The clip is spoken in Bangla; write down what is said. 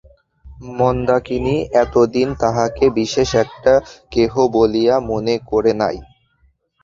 মন্দাকিনী এতদিন তাহাকে বিশেষ একটা কেহ বলিয়া মনে করে নাই।